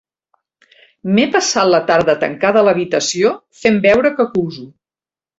M'he passat la tarda tancada a l'habitació, fent veure que cuso.